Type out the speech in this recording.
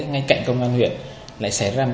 ngay cạnh công an huyện lại xảy ra